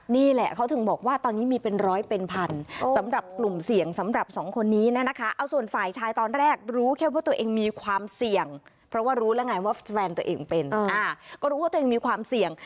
นี่แหละเขาถึงบอกว่าตอนนี้มีเป็นร้อยเป็นพัน